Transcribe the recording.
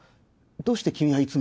どうして君はいつも。